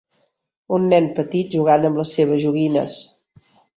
un nen petit jugant amb les seves joguines.